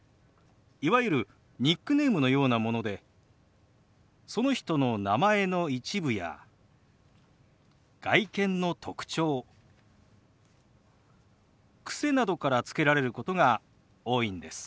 いわゆるニックネームのようなものでその人の名前の一部や外見の特徴癖などからつけられることが多いんです。